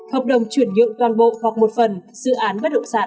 hợp đồng chuyển nhượng toàn bộ hoặc một phần dự án bất động sản